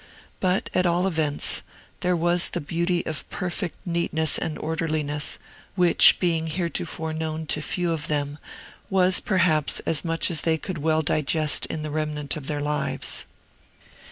But, at all events, there was the beauty of perfect neatness and orderliness, which, being heretofore known to few of them, was perhaps as much as they could well digest in the remnant of their lives.